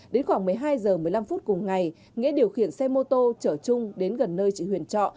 đến khoảng một mươi hai h một mươi năm phút cùng ngày nghĩa điều khiển xe mô tô chở trung đến gần nơi chị huyền trọ